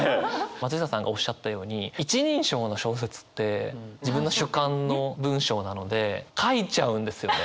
松下さんがおっしゃったように１人称の小説って自分の主観の文章なので書いちゃうんですよね。